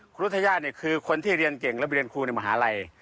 ครูรุธยาเนี่ยคือคนที่เรียนเก่งและไปเรียนครูในมหาลัย